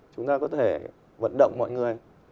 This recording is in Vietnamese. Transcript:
chúng ta có thể vận động mọi người